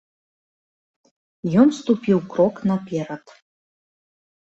Ён ступіў крок наперад.